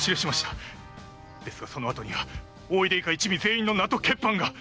ですがそのあとには大出以下一味全員の名と血判が！